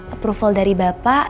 approval dari bapak